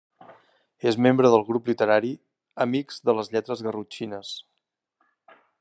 És membre del grup literari Amics de les Lletres Garrotxines.